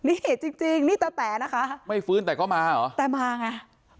นี่จริงจริงนี่ตาแต๋นะคะไม่ฟื้นแต่ก็มาเหรอแต่มาไง